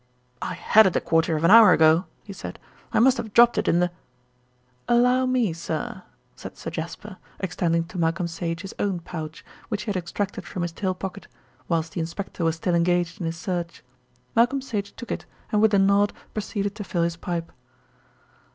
"I had it a quarter of an hour ago," he said. "I must have dropped it in the " "Allow me, sir," said Sir Jasper, extending to Malcolm Sage his own pouch, which he had extracted from his tail pocket, whilst the inspector was still engaged in his search. Malcolm Sage took it and with a nod proceeded to fill his pipe.